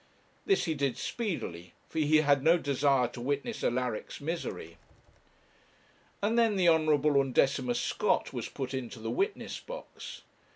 This he did speedily, for he had no desire to witness Alaric's misery. And then the Honourable Undecimus Scott was put into the witness box.